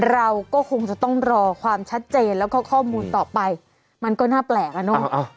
เราก็คงจะต้องรอความชัดเจนแล้วก็ข้อมูลต่อไปมันก็น่าแปลกอ่ะเนอะ